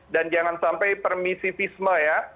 dan jangan sampai permisi pisma ya